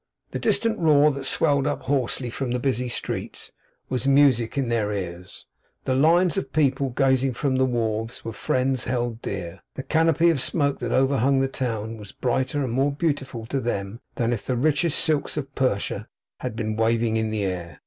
The distant roar that swelled up hoarsely from the busy streets, was music in their ears; the lines of people gazing from the wharves, were friends held dear; the canopy of smoke that overhung the town was brighter and more beautiful to them than if the richest silks of Persia had been waving in the air.